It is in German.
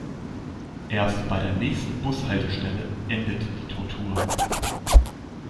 Erst bei der nächsten Bushaltestelle endet die Tortur.